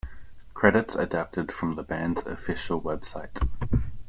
Credits adapted from the band's official website.